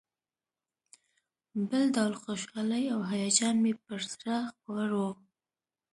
بل ډول خوشالي او هیجان مې پر زړه خپور و.